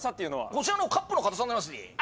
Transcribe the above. こちらのカップの硬さになりますね。